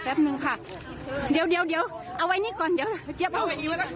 เดี๋ยวเอาไว้นี่ก่อนเดี๋ยว